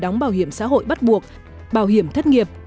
đóng bảo hiểm xã hội bắt buộc bảo hiểm thất nghiệp